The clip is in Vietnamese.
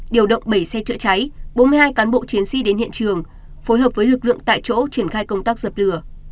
điều động bảy xe chữa cháy bốn mươi hai cán bộ chiến sĩ đến hiện trường phối hợp với lực lượng tại chỗ triển khai công tác dập lửa